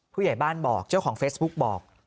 ผู้ใหญ่บ้านบอกเจ้าของเฟซบุ๊กบอก